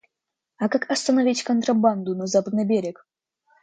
А как остановить контрабанду на Западный берег?